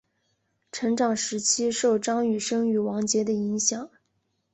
成长时期受张雨生与王杰的影响。